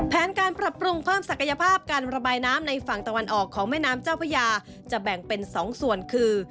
แผนการปรับปรุงเพิ่มศักยภาพการระบายน้ำในฝั่งตะวันออกของแม่น้ำเจ้าพระยาจะแบ่งเป็น๒ส่วนคือ